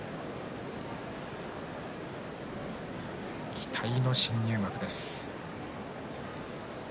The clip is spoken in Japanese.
期待の新入幕です。